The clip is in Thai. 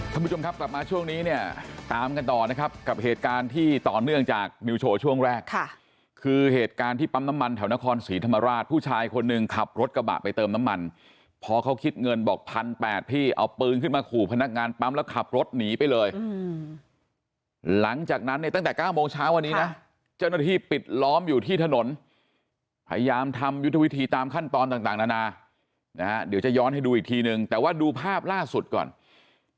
ท่านผู้ชมครับกลับมาช่วงนี้เนี่ยตามกันต่อนะครับกับเหตุการณ์ที่ต่อเนื่องจากมิวโชว์ช่วงแรกค่ะคือเหตุการณ์ที่ปั๊มน้ำมันแถวนครศรีธรรมราชผู้ชายคนหนึ่งขับรถกระบะไปเติมน้ำมันพอเขาคิดเงินบอกพันแปดที่เอาปืนขึ้นมาขู่พนักงานปั๊มแล้วขับรถหนีไปเลยหลังจากนั้นเนี่ยตั้งแต่เก้าโมง